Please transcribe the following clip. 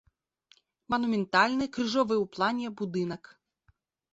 Манументальны крыжовы ў плане будынак.